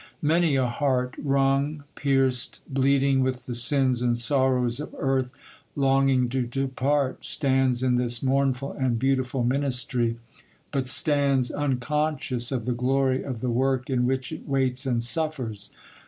Many a heart, wrung, pierced, bleeding with the sins and sorrows of earth, longing to depart, stands in this mournful and beautiful ministry, but stands unconscious of the glory of the work in which it waits and suffers.